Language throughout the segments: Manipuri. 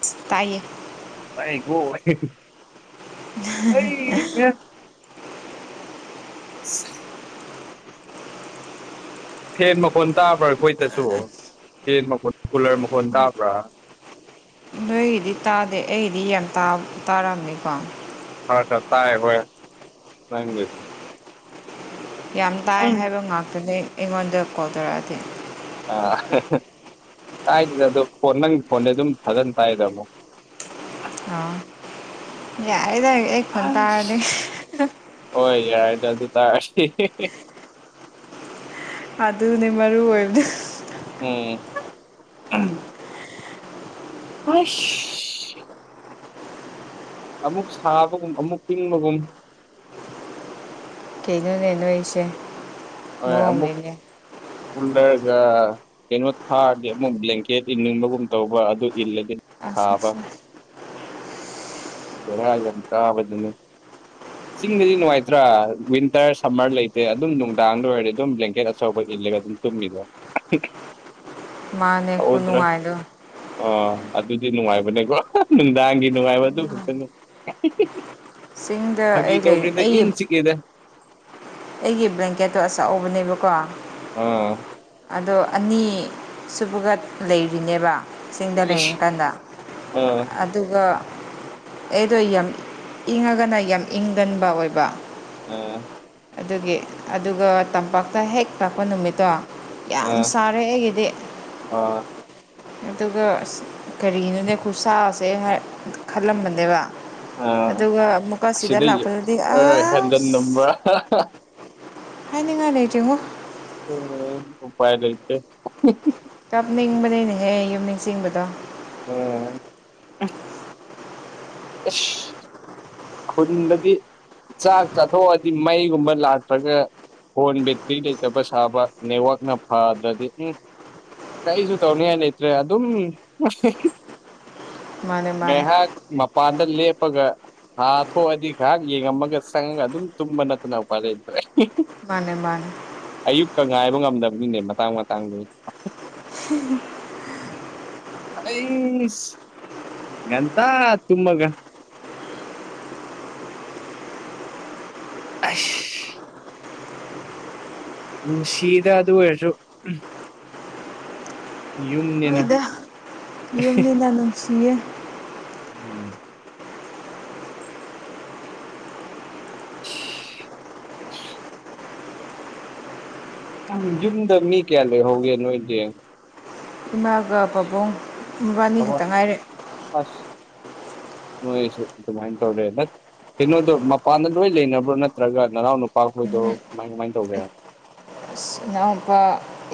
ꯁ ꯇꯥꯏꯌꯦ ꯋꯥꯏ ꯀꯣ [unintelligible] [inaudible] ꯍꯩ ꯍꯥ [unintelligible] [inaudible] ꯐꯦꯟ ꯃꯈꯣꯟ ꯇꯥꯕ꯭ꯔꯥ ꯑꯩꯈꯣꯏꯗꯁꯨ ꯐꯦꯟ ꯃꯈꯣꯟ ꯀꯨꯂꯔ ꯃꯈꯣꯟ ꯇꯥꯕ꯭ꯔꯥ ꯅꯣꯏꯒꯤꯗꯤ ꯇꯥꯗꯦ ꯑꯩꯒꯤꯗꯤ ꯌꯥꯝ ꯇꯥꯕ-ꯇꯥꯔꯝꯅꯤꯀꯣ ꯈꯔ ꯈꯔ ꯇꯥꯏ ꯍꯣꯏ ꯅꯪꯒꯤꯗ ꯌꯥꯝ ꯇꯥꯏ ꯍꯥꯏꯕ ꯉꯥꯛꯇꯅꯦ ꯑꯩꯉꯣꯟꯗ ꯀꯣꯜ ꯇꯧꯔꯛꯑꯗꯤ ꯑꯥ [unintelligible] ꯀꯥꯏꯗꯦꯗ ꯑꯗꯨꯝ ꯐꯣꯟ ꯅꯪꯒꯤ ꯐꯣꯟꯗ ꯑꯗꯨꯝ ꯐꯖꯟ ꯇꯥꯏꯗꯥ ꯑꯗꯨꯝ ꯑꯣ ꯌꯥꯔꯦꯗ ꯑꯩ ꯈꯣꯟ ꯍꯥꯁ ꯇꯥꯔꯗꯤ ꯍꯣꯏ ꯌꯥꯏꯗ ꯑꯗꯨ ꯇꯥꯔꯗꯤ ꯍꯤ ꯍꯤꯍꯦ ꯑꯗꯨꯅꯦ ꯃꯔꯨ ꯑꯣꯏꯕꯥꯗꯨ ꯎꯝ ꯈꯁ [unintelligible] ꯑꯃꯨꯛ ꯁꯥꯕꯒꯨꯝ ꯑꯃꯨꯛ ꯏꯪꯕꯒꯨꯝ ꯀꯩꯅꯣꯅꯦ ꯅꯣꯏꯁꯦ ꯍ ꯑꯝꯃꯨꯛ ꯃꯑꯣꯡꯅꯤꯅꯦ ꯀꯨꯜꯂꯔꯒ ꯀꯩꯅꯣ ꯊꯥꯒꯦ ꯑꯃꯨꯛ ꯕ꯭ꯂꯦꯡꯀꯦꯠ ꯏꯟꯅꯤꯡꯕꯒꯨꯝ ꯇꯧꯕ ꯑꯗꯨ ꯏꯜꯂꯒꯦ ꯑꯁ ꯊꯥꯕ ꯑꯁ ꯕꯦꯔꯥ ꯌꯥꯝ ꯀꯥꯕꯗꯨꯅꯤ ꯆꯤꯡꯗꯗꯤ ꯅꯨꯡꯉꯥꯏꯇ꯭ꯔꯥ ꯋꯤꯟꯇꯔ ꯁꯝꯃꯔ ꯂꯩꯇꯦ ꯑꯗꯨꯝ ꯅꯨꯡ ꯗꯥꯥꯡꯗ ꯑꯣꯏꯔꯗꯤ ꯑꯗꯨꯝ ꯕ꯭ꯂꯦꯡꯀꯦꯠ ꯑꯆꯧꯕ ꯏꯜꯂꯒ ꯑꯗꯨꯝ ꯇꯨꯝꯃꯤꯗꯣ ꯑꯛꯍꯨꯡ ꯃꯥꯅꯦ ꯈꯨꯅꯨꯡꯉꯥꯏꯗꯨ ꯑꯣ ꯑꯗꯨꯗꯤ ꯅꯨꯡꯉꯥꯏꯕꯅꯦꯀꯣ ꯑꯍꯥ ꯅꯨꯡꯗꯥꯡꯒꯤ ꯅꯨꯡꯉꯥꯏꯕꯗꯨ ꯈꯛꯇꯅꯦ [unintelligible] ꯆꯤꯡꯗ ꯑꯩ ꯐꯥꯒꯤ ꯂꯩ ꯇꯧꯕꯅꯦꯗ ꯏꯪ ꯑꯩꯒꯤ ꯆꯤꯛꯑꯦꯗ ꯑꯩꯒꯤ ꯕ꯭ꯂꯦꯡꯀꯦꯠꯇꯣ ꯑꯆꯧꯕꯅꯦꯕꯀꯣ ꯑ ꯑꯗꯣ ꯑꯅꯤ ꯁꯨꯕꯒ ꯂꯩꯔꯤꯅꯦꯕ ꯁꯤꯡꯗ ꯏꯁ ꯂꯩꯔꯤꯀꯟꯗ ꯑꯥ ꯑꯗꯨꯒ ꯑꯩꯗꯣ ꯌꯥꯝ ꯏꯪꯉꯒꯅ ꯌꯥꯝ ꯏꯪꯒꯟꯕ ꯑꯣꯏꯕ ꯎꯝ ꯑꯗꯨꯒꯤ ꯑꯗꯨꯒ ꯇꯝꯄꯥꯛꯇ ꯍꯦꯛ ꯂꯥꯛꯄ ꯅꯨꯃꯤꯠꯇꯣ ꯌꯥꯝ ꯑꯥ ꯁꯥꯔꯦ ꯑꯩꯒꯤꯗꯤ ꯑꯥ ꯑꯗꯨꯒ ꯑꯁ ꯀꯔꯤꯒꯤꯅꯣꯅꯦ ꯈꯨꯠꯁꯥꯁꯦ ꯈꯜꯂꯝꯕꯅꯦꯕ ꯑꯥ ꯑꯗꯨꯒ ꯑꯃꯨꯛꯀ ꯁꯤꯗ ꯂꯥꯛꯄꯗꯗꯤ ꯑꯁ ꯅꯝꯕ꯭ꯔ ꯍꯥꯏꯅꯤꯡꯉꯥꯏ ꯂꯩꯇꯔꯤꯉꯣ ꯎꯝ ꯎꯄꯥꯏ ꯂꯩꯇꯦ ꯀꯞꯅꯤꯡꯕꯅꯤꯅꯍꯦ ꯌꯨꯝ ꯅꯤꯡꯁꯤꯡꯕꯗꯣ ꯑꯣ ꯑꯩꯁ ꯑꯩꯈꯨꯟꯗꯗꯤ ꯆꯥꯛ ꯆꯥꯊꯣꯛꯑꯗꯤ ꯃꯩꯒꯨꯝꯕ ꯂꯥꯛꯇ꯭ꯔꯒ ꯐꯣꯟ ꯕꯦꯇ꯭ꯔꯤ ꯂꯩꯇꯕ ꯁꯥꯕ ꯅꯦꯠꯋꯥꯛꯅ ꯐꯗ꯭ꯔꯗꯤ ꯎꯝ ꯀꯩꯁꯨ ꯇꯧꯅꯤꯡꯉꯥꯏ ꯂꯩꯇ꯭ꯔꯦ ꯑꯗꯨꯝ ꯃꯥꯅꯦ ꯃꯥꯅꯦ ꯃꯥ [unintelligible] ꯃꯄꯥꯟꯗ ꯂꯦꯞꯄꯒ ꯊꯥ ꯊꯣꯛꯑꯗꯤ ꯉꯥꯏꯍꯥꯛ ꯌꯦꯡꯉꯝꯃꯒ ꯆꯪꯉꯒ ꯑꯗꯨꯝ ꯇꯨꯝꯕ ꯅꯠꯇꯅ ꯎꯄ ꯂꯩꯇꯔ꯭ꯦ ꯍꯤ ꯍꯤ ꯃꯥꯅꯦ ꯃꯥꯅꯦ ꯑꯌꯨꯛꯀ ꯉꯥꯏꯕ ꯉꯝꯗꯕꯅꯤꯅꯦ ꯃꯇꯥꯡ ꯃꯇꯥꯡꯗꯨꯏ ꯍꯝ ꯑꯩꯁ ꯉꯟꯇꯥ ꯇꯨꯝꯃꯒ ꯑꯩꯁ ꯅꯨꯡꯁꯤꯗ ꯑꯗꯨ ꯑꯣꯏꯔꯁꯨ ꯎꯝ ꯌꯨꯝꯅꯤꯅ ꯄꯨꯛꯅꯤꯡ ꯌꯥꯝ ꯅꯨꯡꯁꯤꯌꯦ ꯎꯝ [inaudible] ꯎꯝ ꯌꯨꯝꯗ ꯃꯤ ꯀꯌꯥ ꯂꯩꯍꯧꯒꯦ ꯅꯣꯏꯒꯤ ꯏꯃꯥꯒ ꯄꯥꯕꯨꯡ ꯃꯕꯥꯅꯤ ꯊꯕꯛ ꯈꯛꯇ ꯉꯥꯏꯔꯦ ꯑꯁ ꯅꯣꯏꯁꯨ ꯑꯗꯨꯃꯥꯏꯅ ꯇꯧꯔꯦ ꯗꯠ ꯀꯩꯅꯣꯗꯣ ꯃꯄꯥꯟꯗ ꯂꯣꯏ ꯂꯩꯅꯕ꯭ꯔꯣ ꯅꯠꯇ꯭ꯔꯒ ꯅꯅꯥꯎ ꯅꯨꯄꯥꯈꯣꯏꯗꯣ ꯀꯃꯥꯏ ꯀꯃꯥꯏꯅ ꯇꯧꯒꯦ ꯏꯅꯥꯎ ꯅꯨꯄꯥ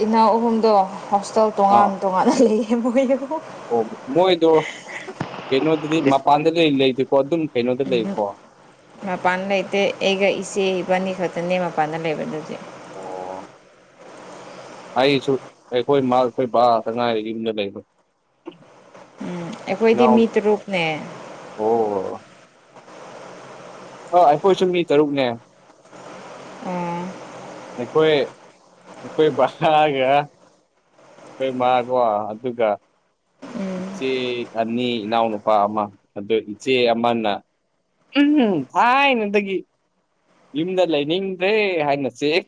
ꯏꯅꯥꯎ ꯑꯍꯨꯝꯗꯣ ꯍꯣꯁꯇꯦꯜ ꯑꯥ ꯇꯣꯉꯥꯟ ꯇꯣꯉꯥꯟꯅ ꯂꯩꯌꯦ ꯃꯣꯏ ꯑꯍꯨꯝ ꯑꯣ ꯃꯣꯏꯗꯣ ꯀꯩꯅꯣꯗꯗꯤ ꯃꯄꯥꯟꯗ ꯂꯩ ꯂꯩꯗꯦꯀꯣ ꯑꯗꯨꯝ ꯀꯩꯅꯣꯗ ꯂꯩꯀꯣ ꯃꯄꯥꯟ ꯂꯩꯇꯦ ꯑꯩꯒ ꯏꯆꯦ ꯏꯕꯥꯅꯤ ꯈꯛꯇꯅꯦ ꯃꯄꯥꯟꯗ ꯂꯩꯕꯗꯗꯤ ꯑꯣ ꯑꯩꯁꯨ ꯑꯩꯈꯣꯏ ꯃꯥ ꯑꯩꯈꯣꯏ ꯕꯥ ꯇꯉꯥꯏꯔꯦ ꯌꯨꯝꯗ ꯂꯩꯕ ꯎꯝ ꯑꯩꯈꯣꯏꯗꯤ ꯏꯅꯥꯎ ꯃꯤ ꯇꯨꯔꯨꯛꯅꯦ ꯑꯣ ꯑ ꯑꯩꯈꯣꯏꯁꯨ ꯃꯤ ꯇꯔꯨꯛꯅꯦ ꯑꯣ ꯑꯩꯈꯣꯏ ꯑꯩꯈꯣꯏ ꯚꯔꯥꯒ ꯑꯩꯈꯣꯏ ꯃꯥꯒꯣ ꯑꯗꯨꯒ ꯎꯝ ꯏꯆꯦ ꯑꯅꯤ ꯏꯅꯥꯎꯅꯨꯄꯥ ꯑꯃ ꯑꯗꯨ ꯏꯆꯦ ꯑꯃꯅ ꯎꯝ ꯊꯥꯏꯅꯗꯒꯤ ꯌꯨꯝꯗ ꯂꯩꯅꯤꯡꯗ꯭ꯔꯦ ꯍꯥꯏꯅ ꯆꯦꯛ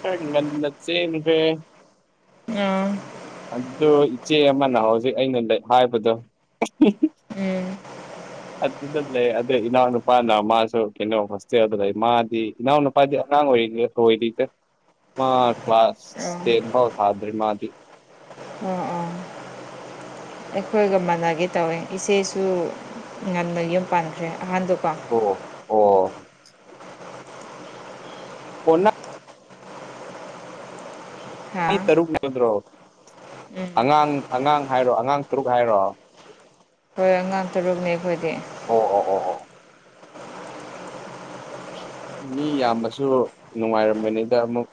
ꯈꯔꯥ ꯉꯟꯅ ꯆꯦꯟꯒꯔ꯭ꯦ ꯑꯥ ꯑꯗꯨ ꯏꯆꯦ ꯑꯃꯅ ꯍꯧꯖꯤꯛ ꯑꯩꯅ ꯍꯥꯏꯕꯗꯣ ꯑꯦ [inaudible] ꯑꯗꯨꯗ ꯂꯩ ꯑꯗꯨꯗ ꯏꯅꯥꯎ ꯅꯨꯄꯥꯅ ꯃꯥꯁꯨ ꯀꯩꯅꯣ ꯍꯣꯁꯇꯦꯜꯗ ꯂꯩ ꯃꯥꯗꯤ ꯏꯅꯥꯎ ꯅꯨꯄꯥꯗꯤ ꯑꯉꯥꯡ ꯑꯣꯏꯔꯤꯌꯦ ꯑꯣꯏꯗꯦꯗꯥ ꯃꯥ ꯀ꯭ꯂꯥꯁ ꯑꯣ ꯇꯦꯟ ꯐꯥꯎ ꯊꯥꯗꯔꯤ ꯃꯥꯗꯤ ꯑꯣ ꯑꯣ ꯑꯩꯈꯣꯏꯒ ꯃꯥꯟꯅꯒꯦ ꯇꯧꯋꯦ ꯏꯆꯦꯁꯨ ꯉꯟꯅ ꯌꯨꯝ ꯄꯥꯟꯈ꯭ꯔꯦ ꯑꯍꯥꯟꯗꯨꯀꯣ ꯑꯣ ꯑꯣ ꯑꯣꯟꯅ ꯍꯥ ꯃꯤ ꯇꯔꯨꯛꯅꯤ ꯍꯥꯏꯔꯣ ꯎꯝ ꯑꯉꯥꯡ ꯑꯉꯥꯡ ꯍꯥꯏꯔꯣ ꯑꯉꯥꯡ ꯇꯔꯨꯛ ꯍꯥꯏꯔꯣ ꯍꯣꯏ ꯑꯉꯥꯡ ꯇꯔꯨꯛꯅꯤ ꯑꯩꯈꯣꯏꯗꯤ ꯑꯣ ꯑꯣ ꯑꯣ ꯑꯣ ꯃꯤ ꯌꯥꯝꯕꯁꯨ ꯅꯨꯡꯉꯥꯏꯔꯝꯕꯅꯤꯗ ꯑꯃꯨꯛ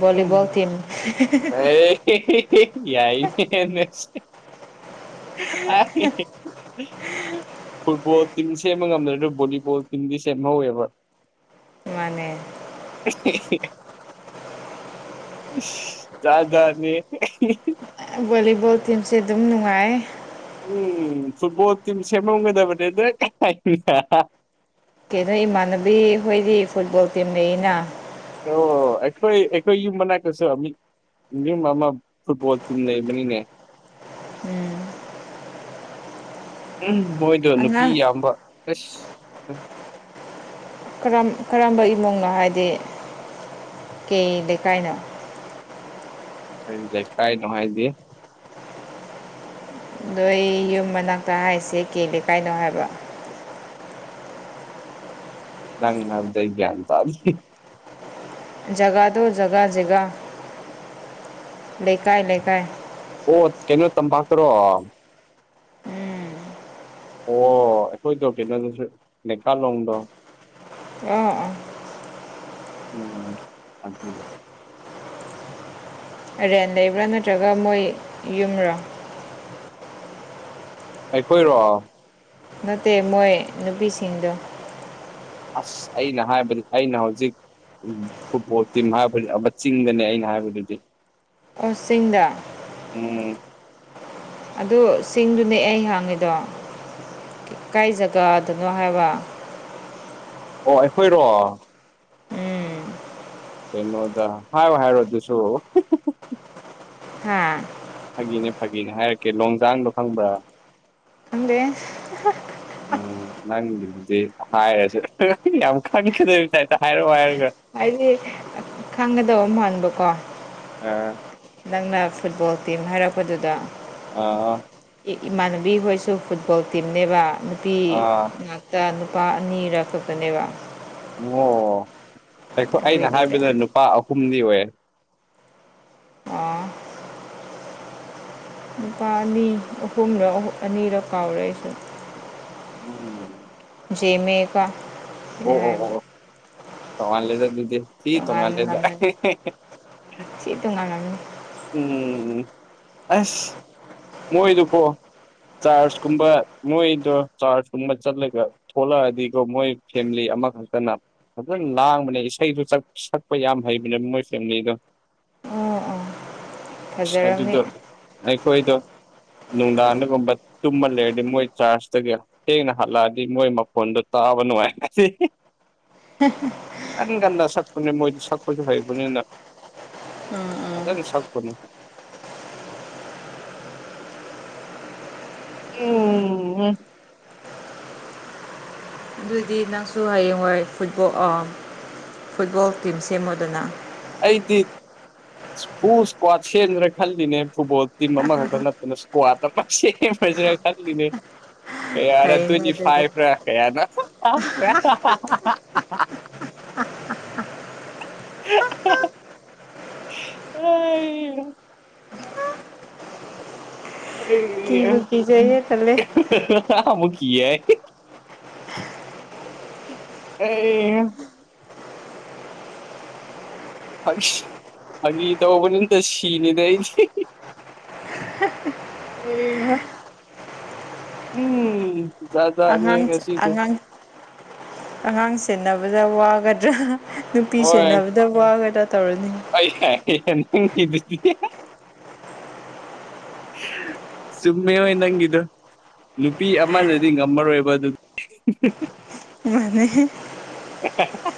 ꯕꯣꯂꯤꯕꯣꯜ ꯇꯤꯝ [inaudible] [inaudible] ꯐꯨꯠꯕꯣꯜ ꯇꯤꯝ ꯁꯦꯝꯕ ꯉꯝꯗ꯭ꯔ ꯅꯣꯏ ꯕꯣꯂꯤꯕꯣꯜ ꯇꯤꯝꯗꯤ ꯁꯦꯝꯍꯧꯋꯦꯕ ꯃꯅꯦ [inaudible] ꯖꯥꯠ ꯖꯥꯇꯅꯤꯍꯦ ꯕꯣꯂꯤꯕꯣꯜ ꯇꯤꯝꯁꯦ ꯑꯗꯨꯝ ꯅꯨꯡꯉꯥꯏꯌꯦ ꯎꯝ ꯐꯨꯠꯕꯣꯜ ꯇꯤꯝ ꯁꯦꯝꯃꯝꯒꯗꯕꯅꯦꯗ ꯀꯩꯅꯣ ꯏꯃꯥꯟꯅꯕꯤ ꯍꯈꯣꯏꯗꯤ ꯐꯨꯠꯕꯣꯜ ꯇꯤꯝ ꯂꯩꯏꯅ ꯑꯣ ꯑꯩꯈꯣꯏ ꯑꯩꯈꯣꯏ ꯌꯨꯝ ꯃꯅꯛꯇꯁꯨ ꯌꯨꯝ ꯑꯃ ꯐꯨꯠꯕꯣꯜ ꯇꯤꯝ ꯂꯩꯕꯅꯤꯅꯦ ꯎꯝ ꯎꯝ ꯃꯣꯏꯗꯣ ꯅꯨꯄꯤ ꯑꯉꯥꯡ ꯌꯥꯝꯕ ꯑꯦꯁ ꯀꯔꯝ ꯀꯔꯝꯕ ꯏꯃꯨꯡꯅꯣ ꯍꯥꯏꯗꯤ ꯀꯩ ꯂꯩꯀꯥꯏꯅꯣ ꯀꯔꯤ ꯂꯩꯀꯥꯏꯅꯣ ꯍꯥꯏꯗꯤ ꯅꯣꯏ ꯌꯨꯝ ꯃꯅꯥꯛꯇ ꯍꯥꯏꯔꯤꯁꯦ ꯀꯩ ꯂꯩꯀꯥꯏꯅꯣ ꯍꯥꯏꯕ ꯅꯪ ꯍꯥꯏꯕꯗꯣ ꯑꯩ ꯒꯌ꯭ꯥꯟ ꯇꯥꯗꯔꯦ ꯖꯒꯥꯗꯨ ꯖꯒꯥ ꯖꯒꯥ ꯂꯩꯀꯥꯏ ꯂꯩꯀꯥꯏ ꯑꯣ ꯀꯩꯅꯣ ꯇꯝꯄꯥꯛꯇꯔꯣ ꯎꯝ ꯑꯣ ꯑꯩꯈꯣꯏꯗꯣ ꯀꯩꯅꯣꯗꯨꯁꯨ ꯂꯩꯀꯥꯂꯣꯡꯗꯣ ꯑꯣ ꯑꯣ ꯎꯝ ꯑꯗꯨꯕ ꯔꯦꯟ ꯂꯩꯕ꯭ꯔꯥ ꯅꯠꯇ꯭ꯔꯒ ꯃꯣꯏ ꯌꯨꯝꯔꯥ ꯑꯩꯈꯣꯏꯔꯣ ꯅꯠꯇꯦ ꯃꯣꯏ ꯅꯨꯄꯤꯁꯤꯡꯗ ꯑꯁ ꯑꯩꯅ ꯍꯥꯏꯕꯗꯤ ꯑꯩꯅ ꯍꯧꯖꯤꯛ ꯐꯨꯠꯕꯣꯜ ꯇꯤꯝ ꯍꯥꯏꯕꯗꯤ ꯑꯃ ꯆꯤꯡꯗꯅꯦ ꯑꯩꯅ ꯍꯥꯏꯕꯗꯨꯗꯤ ꯑꯣ ꯆꯤꯡꯗ ꯎꯝ ꯑꯗꯨ ꯆꯤꯡꯗꯨꯅꯦ ꯑꯩ ꯍꯪꯉꯤꯗꯣ ꯀꯥꯏ ꯖꯒꯥꯗꯅꯣ ꯍꯥꯏꯕ ꯑꯣ ꯑꯩꯈꯣꯏꯔꯣ ꯎꯝ ꯀꯩꯅꯣꯗ ꯍꯥꯏꯌꯣ ꯍꯥꯏꯔꯣ ꯑꯗꯨꯁꯨ ꯍꯥ ꯐꯥꯒꯤꯅꯦ ꯐꯥꯒꯤꯅꯦ ꯍꯥꯏꯔꯛꯀꯦ ꯂꯣꯡꯖꯥꯡꯗꯣ ꯈꯪꯕ꯭ꯔꯥ ꯈꯪꯗꯦ ꯎꯝ ꯅꯪꯒꯤꯗꯨꯗꯤ ꯍꯥꯏꯔꯁꯨ ꯌꯥꯝ ꯈꯪꯒꯗꯣꯏꯕ ꯇꯥꯏꯞꯇ ꯍꯥꯏꯔꯛꯑꯣ ꯍꯥꯏꯔꯒ ꯍꯥꯏꯗꯤ ꯈꯪꯒꯗꯕ ꯃꯥꯟꯕꯀꯣ ꯑꯥ ꯅꯪꯅ ꯐꯨꯠꯕꯣꯜ ꯇꯤꯝ ꯍꯥꯏꯔꯛꯄꯗꯨꯗ ꯑ ꯏꯃꯥꯟꯅꯕꯤ ꯍꯣꯏꯁꯨ ꯐꯨꯠꯕꯣꯜ ꯇꯤꯝꯅꯦꯕ ꯅꯨꯄꯤ ꯑꯥ ꯉꯛ ꯇ ꯅꯨꯄꯥ ꯑꯅꯤꯔꯛꯈꯛꯇꯅꯦꯕ ꯑꯣ ꯑꯩ ꯑꯩꯅ ꯑꯗꯨꯏꯅꯤꯗ ꯍꯥꯏꯕꯗ ꯅꯨꯄꯥ ꯑꯍꯨꯝꯗꯤ ꯑꯣꯏꯌꯦ ꯑꯣ ꯅꯨꯨꯄꯥ ꯑꯅꯤ ꯑꯍꯨꯝꯔ ꯑꯅꯤꯔ ꯀꯥꯎꯔꯦ ꯑꯩꯁꯨ ꯑꯣ ꯖꯦꯃꯦꯒ ꯑꯣ ꯑꯣ ꯑꯣ ꯑꯣ ꯇꯣꯉꯥꯜ ꯂꯦꯗ ꯑꯗꯨꯗꯤ ꯁꯤ ꯇꯣꯉꯥꯜꯂꯦꯗ ꯇꯣꯉꯥꯟꯂꯝꯃꯅꯤ ꯁꯤ ꯇꯣꯉꯥꯟꯂꯝꯅꯤ ꯎꯝ ꯑꯁ ꯃꯣꯏꯗꯨ ꯀꯣ ꯆꯥꯔꯁ ꯀꯨꯝꯕ ꯃꯣꯏꯗꯣ ꯆꯥꯔꯖ ꯀꯨꯝꯕ ꯆꯠꯂꯒ ꯊꯣꯛꯂꯛꯑꯗꯤꯀꯣ ꯃꯣꯏ ꯐꯦꯃꯤꯂꯤ ꯑꯃꯈꯛꯇꯅ ꯐꯖꯅ ꯂꯥꯡꯕꯅꯦ ꯏꯁꯩꯗꯨꯛ ꯆꯛ ꯁꯛꯄ ꯌꯥꯝ ꯍꯩꯕꯅꯦꯕ ꯃꯣꯏ ꯐꯦꯃꯤꯂꯤꯗꯣ ꯑꯣ ꯑꯣ ꯑꯗꯨꯗꯣ ꯐꯖꯔꯝꯅꯤ ꯑꯩꯈꯣꯏꯗꯣ ꯅꯨꯡꯗꯥꯡꯗꯒꯨꯝꯕ ꯇꯨꯝꯃ ꯂꯩꯔꯗꯤ ꯃꯣꯏ ꯆꯥꯔꯖꯇꯒꯤ ꯊꯦꯡꯅ ꯍꯜꯂꯛꯑꯗꯤ ꯃꯣꯏ ꯃꯈꯣꯟꯗꯣ ꯇꯥꯕ ꯅꯨꯡꯉꯥꯏ ꯑꯗꯤ ꯍꯦ ꯍꯦ ꯀꯟ ꯀꯥꯟꯗ ꯁꯛꯄꯅꯦ ꯃꯣꯏꯗꯤ ꯁꯛꯄꯁꯨ ꯍꯩꯕꯅꯤꯅ ꯐꯖꯅ ꯁꯛꯄꯅꯤ ꯎꯝ ꯎꯝ ꯑꯗꯨꯗꯤ ꯅꯪꯁꯨ ꯍꯌꯦꯡꯋꯥꯏ ꯐꯨꯠꯕꯣꯜ ꯑ ꯐꯨꯠꯕꯣꯜ ꯇꯤꯝ ꯁꯦꯝꯃꯣꯗꯅ ꯑꯩꯗꯤ ꯍꯨ ꯏꯁꯀ꯭ꯋꯥꯗ ꯁꯦꯝꯖꯤꯔꯥ ꯈꯜꯂꯤꯅꯦ ꯐꯨꯠꯕꯣꯜ ꯇꯤꯝ ꯑꯃꯈꯛꯇ ꯅꯠꯇꯅ ꯏꯁꯀ꯭ꯋꯥꯗ ꯑꯃꯥ ꯁꯦꯝꯃꯁꯤꯔꯥꯅꯥ ꯈꯜꯂꯤꯅꯦ ꯀꯌꯥꯔ ꯐꯩꯅꯦ ꯇꯋꯦꯟꯇꯤ ꯑꯗꯨꯗꯤ ꯐꯥꯏꯞ ꯔ ꯀꯌꯥꯅ ꯑ [inaudible] ꯀꯤꯕꯨ ꯀꯤꯖꯩꯌꯦ ꯇꯜꯂꯦ ꯑꯩ ꯥꯃꯨꯈꯤ ꯑꯦ ꯐꯥꯒꯤ ꯇꯧꯕꯅꯤ ꯑꯝꯇ ꯁꯤꯅꯤꯗ ꯑꯩꯁꯦ ꯍꯩꯍꯥ ꯎꯝ ꯖꯥꯠꯖꯥꯠꯅꯤ ꯑꯉꯥꯡ ꯉꯁꯤꯁꯦ ꯑꯉꯥꯡ ꯑꯉꯥꯡ ꯁꯦꯟꯅꯕꯗ ꯋꯥꯒꯗ꯭ꯔꯥ ꯅꯨꯄꯤ ꯁꯦꯟꯅꯕꯗ ꯋꯥꯒꯗ ꯇꯧꯔꯗꯤ ꯑꯩ ꯌꯥꯏꯍꯦ ꯅꯪꯒꯤꯗꯨꯗꯤ ꯆꯨꯝꯃꯦ ꯍꯣꯏ ꯅꯪꯒꯤꯗꯣ ꯅꯨꯄꯤ ꯑꯃꯅꯗꯤ ꯉꯝꯃꯔꯣꯏꯕ ꯑꯗꯨ ꯃꯥꯅꯦ ꯑꯦ [unintelligible]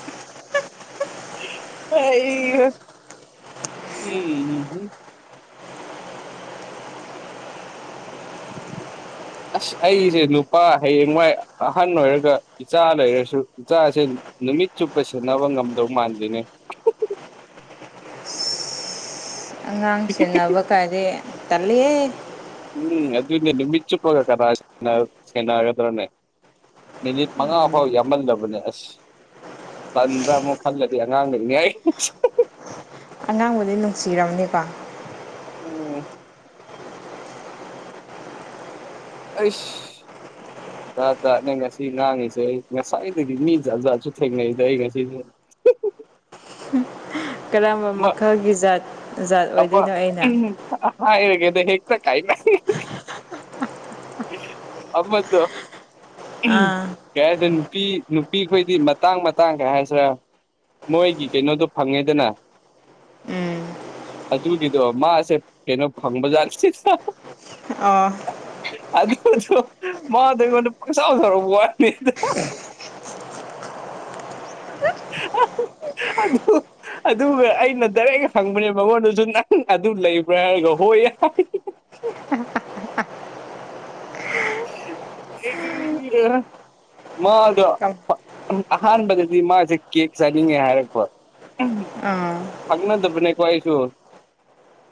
ꯑꯩꯍꯥ ꯎꯝꯝ ꯑꯁ ꯑꯩꯁꯦ ꯅꯨꯄꯥ ꯍꯌꯦꯡꯋꯥꯏ ꯑꯍꯟ ꯑꯣꯏꯔꯒ ꯏꯆꯥ ꯂꯩꯔꯁꯨ ꯏꯆꯥꯁꯦ ꯅꯨꯃꯤꯠ ꯆꯨꯞꯄ ꯁꯦꯟꯅꯕ ꯉꯝꯗꯧ ꯃꯥꯟꯗꯦꯅꯦ ꯑꯉꯥꯡ ꯁꯦꯟꯅꯕ ꯀꯥꯏꯗꯤ ꯇꯠꯂꯤꯍꯦ ꯎꯝ ꯑꯗꯨꯅꯦ ꯅꯨꯃꯤꯠ ꯆꯨꯞꯄ ꯀꯥꯅꯥꯅ ꯁꯦꯟꯅ ꯁꯦꯟꯅꯒꯗ꯭ꯔꯅꯦ ꯃꯤꯅꯤꯠ ꯃꯉꯥ ꯐꯥꯎ ꯌꯥꯝꯃꯜꯂꯕꯅꯦ ꯑꯁ ꯄꯟꯕ꯭ꯔꯥ ꯑꯃꯨꯛ ꯈꯜꯂꯗꯤ ꯑꯉꯥꯡ ꯂꯩꯅꯦ ꯑꯩ ꯑꯉꯥꯡꯕꯨꯗꯤ ꯅꯨꯡꯁꯤꯔꯝꯅꯤꯕꯥ ꯎꯝ ꯑꯁ ꯖꯥꯠ ꯖꯥꯠ ꯉꯁꯤ ꯉꯥꯡꯉꯤꯁꯦ ꯑꯩ ꯉꯁꯥꯏꯗꯒꯤ ꯃꯤ ꯖꯠ ꯖꯥꯠꯁꯨ ꯊꯦꯡꯅꯩꯗ ꯑꯩ ꯉꯁꯤ ꯀꯔꯝꯕ ꯑꯃ ꯃꯈꯜꯒꯤ ꯖꯥꯠ ꯖꯥꯠ ꯑꯣꯏꯗꯣꯏꯅꯣ ꯑꯩꯅ ꯍꯥ ꯍꯥꯏꯔꯥꯒꯦꯗ ꯍꯦꯛꯇ ꯀꯥꯏ ꯑꯃꯥꯗꯣ ꯑꯥ ꯀꯩ ꯍꯥꯏꯗꯣꯏ ꯅꯨꯄꯤ ꯅꯨꯄꯤ ꯈꯣꯏꯗꯤ ꯃꯇꯥꯡ ꯃꯇꯥꯡ ꯀꯩ ꯍꯥꯏꯁꯤꯔꯥ ꯃꯣꯏꯒꯤ ꯀꯩꯅꯣꯗꯣ ꯐꯪꯉꯦꯗꯅ ꯎꯝ ꯑꯗꯨꯒꯤꯗꯣ ꯃꯥꯁꯦ ꯀꯩꯅꯣ ꯐꯪꯕꯖꯥꯠꯅꯦ ꯑꯥ ꯑꯗꯨꯁꯨ ꯃꯥꯗꯣ ꯑꯩꯉꯣꯟꯗ ꯄꯪꯁꯥꯎꯁꯥꯎꯔꯛꯄ ꯋꯥꯅꯤꯗꯥ ꯑꯥ ꯑꯗꯨ ꯑꯗꯨꯒ ꯑꯩꯅ ꯗꯥꯏꯔꯦꯛ ꯍꯪꯕꯅꯦ ꯃꯉꯣꯟꯗꯁꯨ ꯅꯪ ꯑꯗꯨ ꯂꯩꯕ꯭ꯔꯥ ꯍꯥꯏꯔꯒ ꯍꯣꯏ ꯍꯥꯏꯌꯦ [inaudible] [inaudible] ꯃꯥꯗꯣ ꯑꯍꯥꯟꯕꯗꯗꯤ ꯃꯥꯁꯦ ꯀꯦꯛ ꯆꯥꯅꯤꯡꯉꯦ ꯍꯥꯏꯔꯛꯄ ꯎꯝ ꯑꯥ ꯈꯪꯅꯗꯕꯅꯦꯀꯣ ꯑꯩꯁꯨ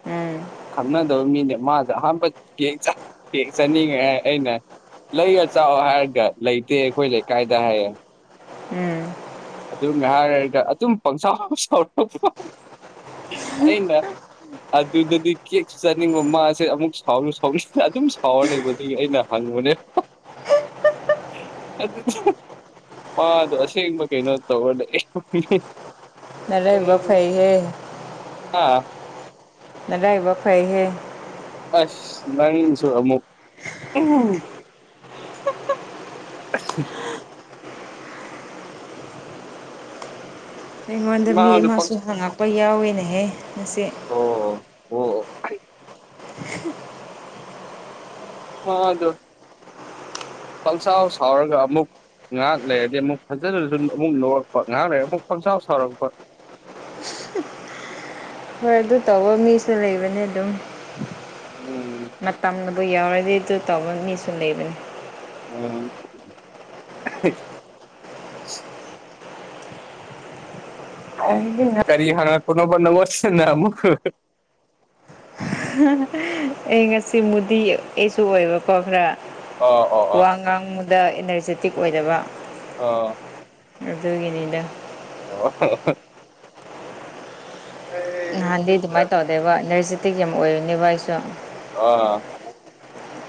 ꯎꯝ ꯈꯪꯅꯗꯕ ꯃꯤꯅꯦ ꯃꯥꯗꯣ ꯑꯍꯥꯟꯕ ꯀꯦꯛ ꯆꯥꯅꯤꯡꯉꯦ ꯍꯥꯏꯔ ꯑꯩꯅ ꯂꯩꯔꯒ ꯆꯥꯎꯑꯣ ꯍꯥꯏꯔꯒ ꯂꯩꯇꯦ ꯑꯩꯈꯣꯏ ꯂꯩꯀꯥꯏꯗ ꯍꯥꯏꯌꯦ ꯎꯝ ꯑꯗꯨꯅ ꯍꯥꯏꯔꯒ ꯑꯗꯨꯝ ꯄꯪꯁꯥꯎ ꯁꯥꯎꯔꯀꯄꯥ ꯎ ꯑꯗꯨꯗꯗꯤ ꯀꯦꯛꯁꯨ ꯆꯥꯅꯤꯡꯕ ꯃꯥꯁꯦ ꯑꯃꯨꯛ ꯁꯥꯎꯁꯨ ꯁꯥꯎꯅꯤꯡꯅ ꯑꯗꯨꯝ ꯁꯥꯎꯔ ꯂꯩꯕ ꯑꯗꯨꯒꯤ ꯑꯩꯅ ꯍꯪꯉꯨꯅꯦ ꯃꯥꯗꯨ ꯑꯁꯦꯡꯕ ꯀꯩꯅꯣ ꯇꯧꯔ ꯅꯔꯥꯏꯕꯛ ꯐꯩꯍꯦ ꯑꯥ ꯅꯔꯥꯏꯏꯕꯛ ꯐꯩꯍꯦ ꯑꯁ ꯅꯪꯁꯨ ꯑꯃꯨꯛ ꯑꯁ ꯑꯩꯉꯣꯟꯗ ꯃꯤ ꯃꯥꯗꯣ ꯄꯪ ꯑꯃꯁꯨ ꯍꯪꯉꯛꯄ ꯌꯥꯎꯏꯅꯦꯍꯦ ꯉꯁꯤ ꯑꯣ ꯑꯣ ꯑꯣ ꯍꯣ ꯑꯗꯨ ꯄꯡꯁꯥꯎ ꯁꯥꯎꯔꯒ ꯑꯃꯨꯛ ꯉꯥꯏꯍꯥꯛ ꯂꯩꯔꯗꯤ ꯑꯃꯨꯛ ꯐꯖꯅꯁꯨ ꯑꯃꯨꯛ ꯅꯣꯛꯔꯛꯄ ꯉꯥꯏꯍꯥꯛ ꯂꯩꯔꯒ ꯑꯃꯨꯛ ꯄꯪꯁꯥꯎ ꯁꯥꯎꯔꯛꯄ ꯍꯣꯏ ꯑꯗꯨ ꯇꯧꯕ ꯃꯤꯁꯨ ꯂꯩꯕꯅꯦ ꯑꯗꯨꯝ ꯎꯝ ꯃꯇꯝꯅꯕꯨ ꯌꯧꯔꯗꯤ ꯑꯗꯨ ꯇꯧꯕ ꯃꯤꯁꯨ ꯂꯩꯕꯅꯤ ꯑꯣ ꯀꯔꯤ ꯍꯔꯄꯅꯣꯕ ꯅꯉꯣꯁꯤꯅ ꯑꯃꯨꯛ ꯑꯩ ꯉꯁꯤ ꯃꯨꯗꯤ ꯑꯩꯁꯨ ꯑꯣꯏꯕꯀꯣ ꯈꯔ ꯑꯣ ꯑꯣ ꯑꯣ ꯋꯥꯡ ꯉꯥꯡꯃꯗ ꯏꯅꯔꯖꯦꯇꯤꯛ ꯑꯣꯏꯗꯕ ꯑ ꯑꯗꯨꯒꯤꯅꯤꯗ ꯑꯣ [unintelligible] ꯅꯍꯥꯟꯗꯤ ꯑꯗꯨꯃꯥꯏ ꯇꯧꯗꯦꯕ ꯅꯔꯖꯦꯇꯤꯛ ꯌꯥꯝ ꯑꯣꯏꯕꯅꯦꯕ ꯑꯩꯁꯨ ꯑꯣ